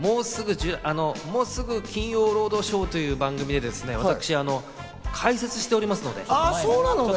もうすぐ『金曜ロードショー』という番組で私、解説をしております。